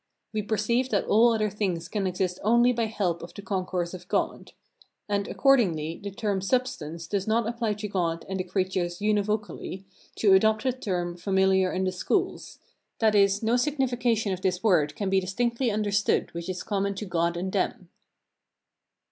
We perceive that all other things can exist only by help of the concourse of God. And, accordingly, the term substance does not apply to God and the creatures UNIVOCALLY, to adopt a term familiar in the schools; that is, no signification of this word can be distinctly understood which is common to God and them.